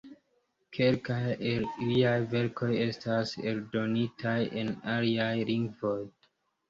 Kelkaj el liaj verkoj estas eldonitaj en aliaj lingvoj.